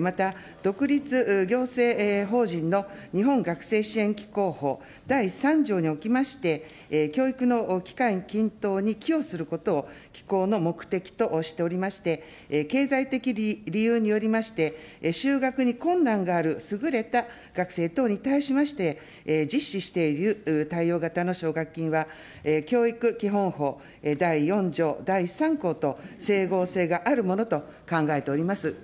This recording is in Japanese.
また、独立行政法人の日本学生支援機構法第３条におきまして、教育の機会均等に寄与することを、機構の目的としておりまして、経済的理由によりまして、就学に困難がある優れた学生等に対しまして、実施している貸与型の奨学金は、教育基本法第４条第３項と整合性があるものと考えております。